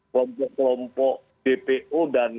kelompok kelompok bpo dan